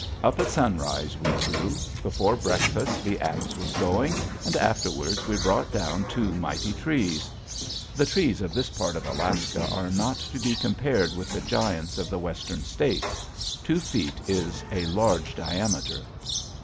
Up at sunrise, we two. Before breakfast the axe was going, and afterwards we brought down two mighty trees. (The trees of this part of Alaska are not to be compared with the giants of the Western States. Two feet is a large diameter.)